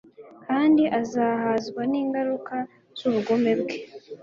kandi azahazwa n’ingaruka z’ubugome bwe